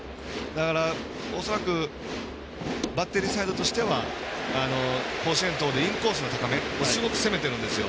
恐らくバッテリーサイドとしては甲子園等でインコースの高めをすごく攻めてるんですよ。